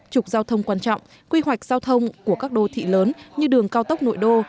trục giao thông quan trọng quy hoạch giao thông của các đô thị lớn như đường cao tốc nội đô